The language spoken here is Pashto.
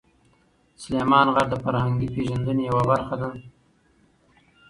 سلیمان غر د فرهنګي پیژندنې یوه برخه ده.